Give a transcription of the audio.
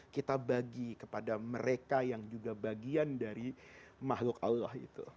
kita bagi kepada mereka yang juga bagian dari makhluk allah itu